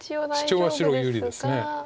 シチョウは白有利です。